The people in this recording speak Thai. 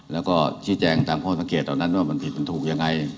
แล้วก็ชี้แจงจากข้อตังเกตตอนนั้นว่ามันผิดเป็นทุกอย่างไร